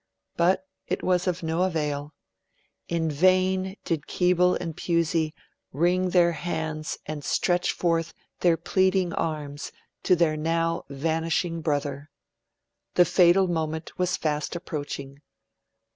But it was of no avail. In vain did Keble and Pusey wring their hands and stretch forth their pleading arms to their now vanishing brother. The fatal moment was fast approaching.